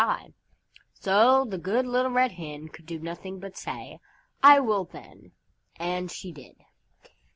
So the good Little Red Hen could do nothing but say, "I will then." And she did.